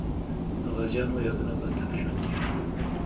د غازیانو یادونه به تل ژوندۍ وي.